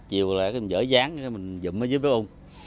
chiều lại là dở dáng mình dụm ở dưới bếp ung